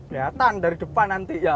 lihatan dari depan nanti ya